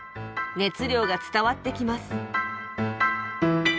熱量が伝わってきます